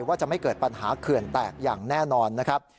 ว่าจะไม่เกิดปัญหาเขื่อนแตกอย่างแน่นอนนะครับ